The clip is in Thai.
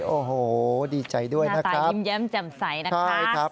โอ้โฮดีใจด้วยนะครับหน้าตายพิมพ์แย้มจำใสนะครับ